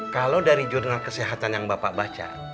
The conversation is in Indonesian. kalau dari jurnal kesehatan yang bapak baca